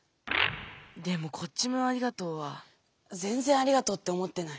でもこっちの「ありがとう」はぜんぜんありがとうって思ってない。